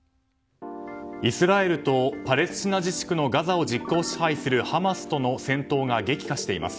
イスラエルとパレスチナ自治区のガザを実効支配するハマスとの戦闘が激化しています。